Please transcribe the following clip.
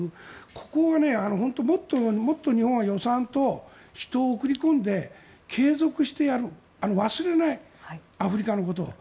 ここが本当にもっと日本は予算と人を送り込んで継続してやって、忘れないアフリカのことを。